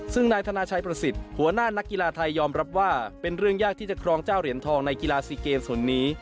ซึ่งนายธนาชัยประสิทธิ์หัวหน้านักกีฬาไทยยอมรับว่าเป็นเรื่องยากที่จะครองเจ้าเหรียญทองในกีฬาซีเกมส่วนนี้